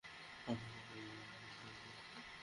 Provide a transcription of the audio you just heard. ভোরে মুক্ত বাতাসে একটু ঘুরে এলাম।